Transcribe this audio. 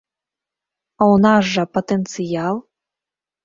А ў нас жа патэнцыял!